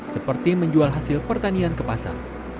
seperti menjual hasil pertanian ke pasar